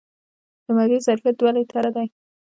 د معدې ظرفیت دوه لیټره دی.